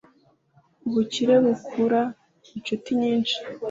Ubukire bukurura incuti nyinshi